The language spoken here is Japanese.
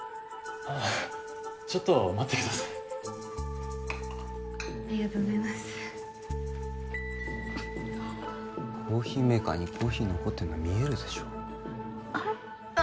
あちょっと待ってくださいありがとうございますコーヒーメーカーにコーヒー残ってるの見えるでしょあ？